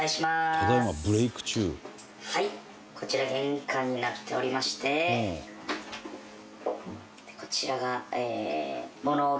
はい、こちら玄関になっておりましてこちらが。